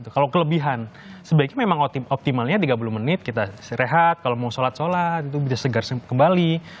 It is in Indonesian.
kalau kelebihan sebaiknya memang optimalnya tiga puluh menit kita sehat kalau mau sholat sholat itu bisa segar kembali